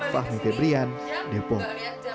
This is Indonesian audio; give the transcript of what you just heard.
fahmi febrian depok